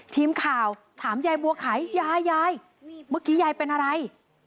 ทีมข่าวถามยายบัวไขยายยายเมื่อกี้ยายเป็นอะไร